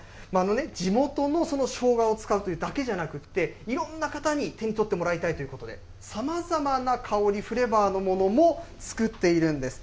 地元のしょうがを使うというだけじゃなくて、いろんな方に手に取ってもらいたいということで、さまざまな香り・フレーバーのものも造っているんです。